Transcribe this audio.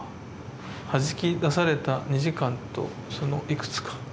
「弾き出された２時間と、そのいくつか」。